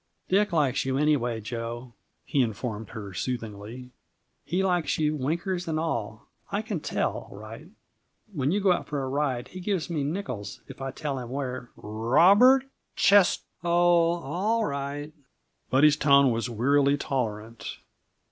"Dick likes you anyway, Jo," he informed her soothingly. "He likes you, winkers and all. I can tell, all right. When you go out for a ride he gives me nickels if I tell him where " "Robert Ches " "Oh, all right." Buddy's tone was wearily tolerant.